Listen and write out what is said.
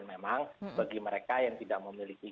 memang bagi mereka yang tidak memiliki